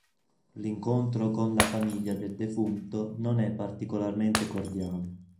L'incontro con la famiglia del defunto non è particolarmente cordiale.